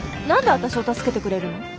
何で私を助けてくれるの？